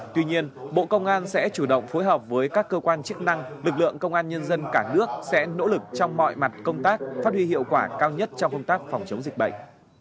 tuy nhiên bộ công an sẽ chủ động phối hợp với các cơ quan chức năng lực lượng công an nhân dân cả nước sẽ nỗ lực trong mọi mặt công tác phát huy hiệu quả cao nhất trong công tác phòng chống dịch bệnh